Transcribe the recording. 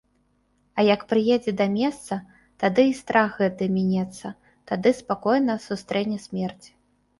А як прыедзе да месца, тады і страх гэты мінецца, тады спакойна сустрэне смерць.